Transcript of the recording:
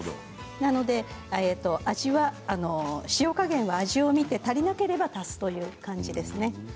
なので味は塩加減は味を見て、足りなければ足すという感じですね。